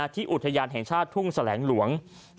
อุทยานแห่งชาติทุ่งแสลงหลวง